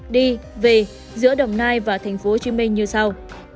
đi về giữa đồng nai và tp hcm như sau